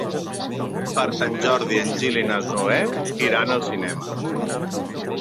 Per Sant Jordi en Gil i na Zoè iran al cinema.